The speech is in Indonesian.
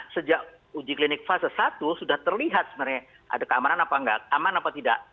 sejak uji klinik fase satu sudah terlihat sebenarnya ada keamanan apa tidak